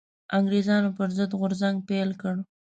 انګرېزانو پر ضد غورځنګ پيل کړ